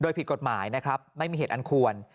โดยผิดกฎหมายนะครับไม่มีเหตุอันควร